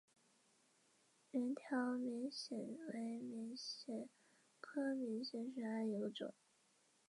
藉此波恩希望艾恩能成为一位比他的暴君父亲弗雷恩更爱民的国王。